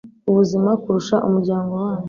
ubuzima kurusha umuryango wanyu